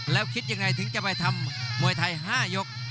แล้วคิดยังไงถึงจะไปทำมวยไทย๕ยก